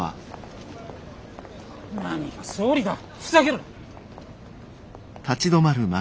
何が総理だふざけるな。